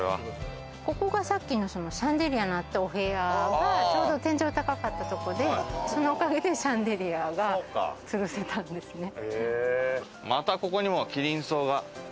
ここがさっきのシャンデリアがあったお部屋がちょうど天井が高かったところで、そのおかげでシャンデリアがまたここにもキリンソウが。